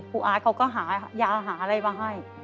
คุณอาชเขาก็หายาหาอะไรมาให้